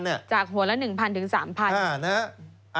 จากหัวละ๑๐๐๐๓๐๐๐